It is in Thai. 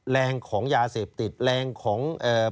แรงของยาเสพติดแรงของเอ่อ